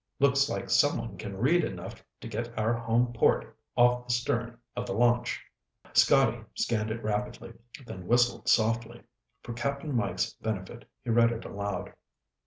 "Looks like someone can read enough to get our home port off the stern of the launch." Scotty scanned it rapidly, then whistled softly. For Cap'n Mike's benefit, he read it aloud.